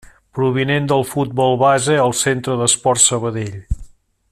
Provinent del futbol base al Centre d'Esports Sabadell.